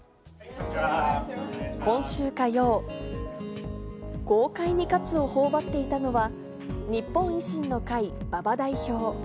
今週火曜、豪快にカツをほおばっていたのは、日本維新の会、馬場代表。